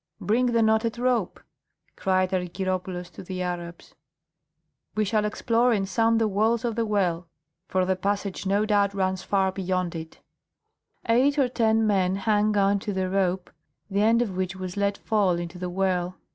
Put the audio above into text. "Bring the knotted rope!" cried Argyropoulos to his Arabs. "We shall explore and sound the walls of the well, for the passage no doubt runs far beyond it." Eight or ten men hung on to the rope, the end of which was let fall into the well.